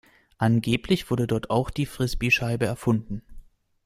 Angeblich wurde dort auch die Frisbee-Scheibe erfunden.